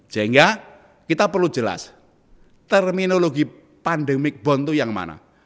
sehingga kita perlu jelas terminologi pandemic bond itu yang mana